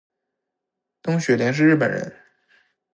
东雪莲是日本人